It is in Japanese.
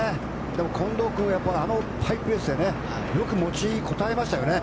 でも、近藤君はあのハイペースでよく持ちこたえましたよね。